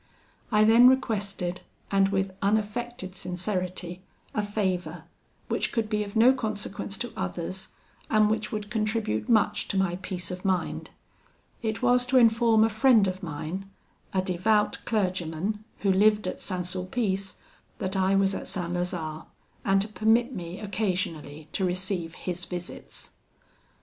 I then requested, and with unaffected sincerity, a favour, which could be of no consequence to others, and which would contribute much to my peace of mind; it was to inform a friend of mine, a devout clergyman, who lived at St. Sulpice, that I was at St. Lazare, and to permit me occasionally to receive his visits.